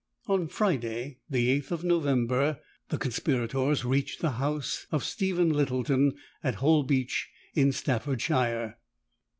On Friday, the 8th of November, the conspirators reached the house of Stephen Littleton, at Holbeach, in Staffordshire.